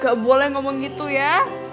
gak boleh ngomong gitu ya